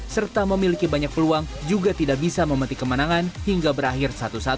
serta memiliki banyak peluang juga tidak bisa memetik kemenangan hingga berakhir satu satu